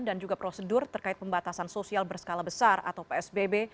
dan juga prosedur terkait pembatasan sosial berskala besar atau psbb